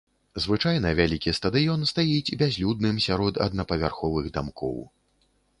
Звычайна вялікі стадыён стаіць бязлюдным сярод аднапавярховых дамкоў.